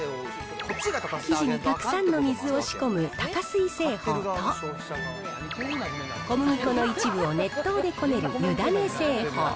生地にたくさんの水を仕込む多加水製法と、小麦粉の一部を熱湯でこねる湯種製法。